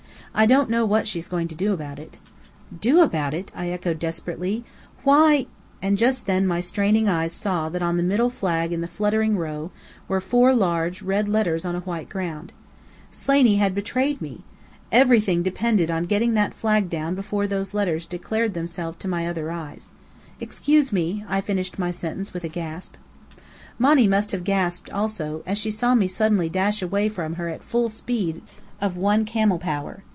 I don't know what she's going to do about it." "Do about it?" I echoed desperately. "Why " and just then my straining eyes saw that on the middle flag in the fluttering row were four large red letters on a white ground. Slaney had betrayed me! Everything depended on getting that flag down before those letters declared themselves to other eyes. "Excuse me," I finished my sentence with a gasp. Monny must have gasped also, as she saw me suddenly dash away from her at full speed of one camel power.